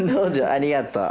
ありがとう。